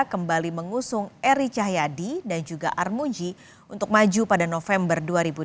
kembali mengusung eri cahyadi dan juga armuji untuk maju pada november dua ribu delapan belas